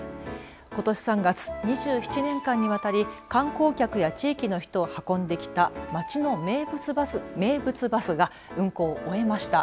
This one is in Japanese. ことし３月、２７年間にわたり観光客や地域の人を運んできた町の名物バスが運行を終えました。